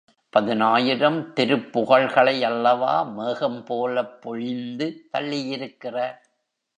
பதினாயிரம் திருப்புகழ்களையல்லவா மேகம் போலப் பொழிந்து தள்ளியிருக்கிறார்?